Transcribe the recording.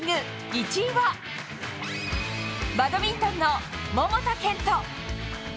１位はバドミントンの桃田賢斗。